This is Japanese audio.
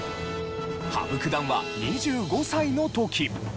羽生九段は２５歳の時。